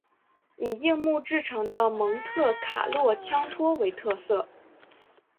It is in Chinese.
以硬木制成的蒙特卡洛枪托为特色。